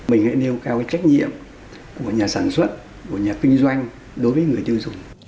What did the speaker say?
mình hãy nêu cao cái trách nhiệm của nhà sản xuất của nhà kinh doanh đối với người tiêu dùng